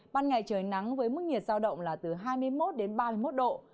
ban ngày trời nắng với mức nhiệt giao động là từ hai mươi một đến ba mươi một độ